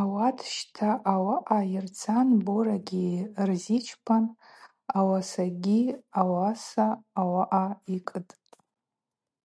Ауат, щта, ауаъа йырцан борагьи рзичпан йуасагьи ауаса ауаъа йкӏытӏ.